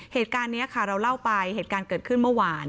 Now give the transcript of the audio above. เหตุการณ์นี้ค่ะเราเล่าไปเหตุการณ์เกิดขึ้นเมื่อวาน